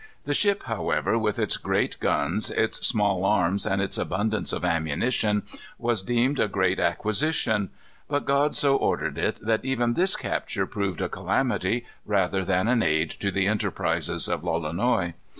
The ship, however, with its great guns, its small arms, and its abundance of ammunition, was deemed a great acquisition. But God so ordered it that even this capture proved a calamity rather than an aid to the enterprises of Lolonois.